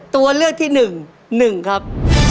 ตัวเลือกที่หนึ่ง๑ครับ